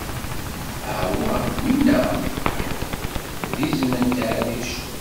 Awwah, winna? d izem n taɛrict!